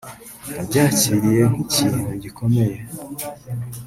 nabyakiriye nk’ikintu gikomeye